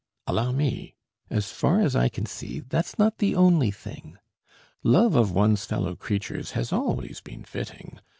"Allow me! As far as I can see, that's not the only thing. Love of one's fellow creatures has always been fitting.